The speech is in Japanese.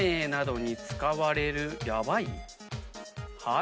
はい？